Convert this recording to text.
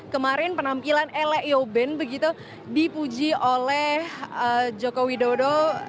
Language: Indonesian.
kemarin penampilan l a eobain begitu dipuji oleh joko widodo